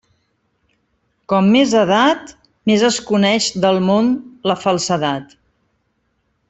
Com més edat, més es coneix del món la falsedat.